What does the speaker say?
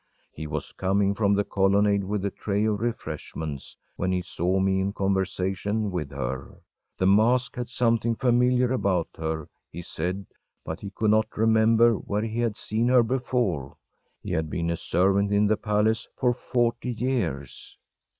He was coming from the colonnade with a tray of refreshments when he saw me in conversation with her. The mask had something familiar about her, he said, but he could not remember where he had seen her before. He had been a servant in the palace for forty years.